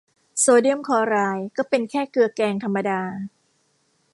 โซเดียมคลอไรด์ก็เป็นแค่เกลือแกงธรรมดา